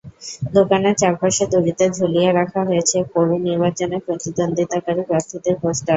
দোকানের চারপাশে দড়িতে ঝুলিয়ে রাখা হয়েছে পৌর নির্বাচনে প্রতিদ্বন্দ্বিতাকারী প্রার্থীদের পোস্টার।